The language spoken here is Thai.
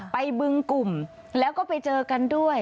บึงกลุ่มแล้วก็ไปเจอกันด้วย